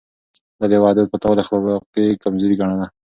ده د وعدو ماتول اخلاقي کمزوري ګڼله.